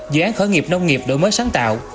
dự án khởi nghiệp nông nghiệp đổi mới sáng tạo